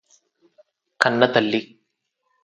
కన్నతల్లి